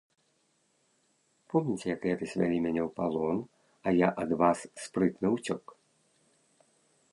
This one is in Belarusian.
Помніце, як летась вялі мяне ў палон, а я ад вас спрытна ўцёк.